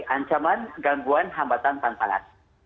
ancaman gangguan hambatan tanpa alat